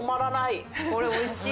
これおいしい。